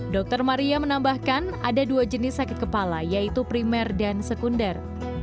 dr maria menambahkan ada dua jenis sakit kepala yaitu primer dan sekunder